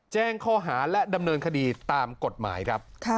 แจ้งข้อหาและดำเนินคดีตามกฎหมายครับ